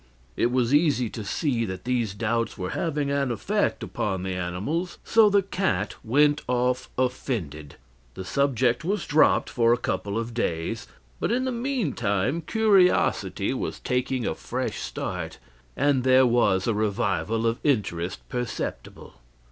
It was easy to see that these doubts were having an effect upon the animals, so the cat went off offended. The subject was dropped for a couple of days, but in the meantime curiosity was taking a fresh start, and there was a revival of interest perceptible.